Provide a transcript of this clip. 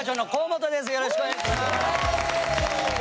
よろしくお願いします。